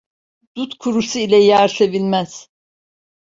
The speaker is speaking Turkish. Dut kurusu ile yar sevilmez.